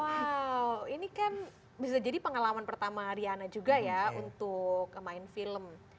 wow ini kan bisa jadi pengalaman pertama riana juga ya untuk main film